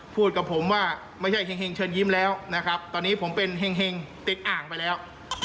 พูดกับผมว่าไม่ใช่เห็งเชิญยิ้มแล้วนะครับตอนนี้ผมเป็นเห็งติดอ่างไปแล้ว